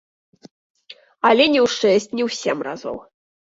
Але не ў шэсць, не ў сем разоў.